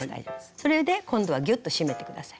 それで今度はギュッと締めて下さい。